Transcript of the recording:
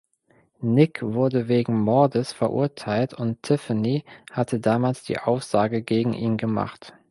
Nick wurde wegen Mordes verurteilt und Tiffany hat damals die Aussage gegen ihn gemacht.